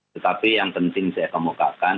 tetapi yang penting saya kemukakan